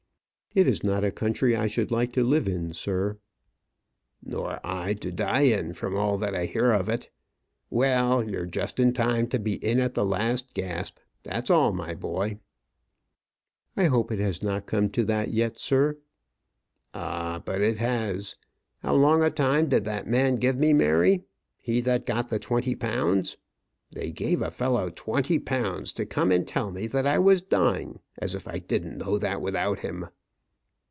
"It is not a country I should like to live in, sir." "Nor I to die in, from all that I hear of it. Well, you're just in time to be in at the last gasp that's all, my boy." "I hope it has not come to that yet, sir." "Ah, but it has. How long a time did that man give me, Mary he that got the twenty pounds? They gave a fellow twenty pounds to come and tell me that I was dying! as if I didn't know that without him."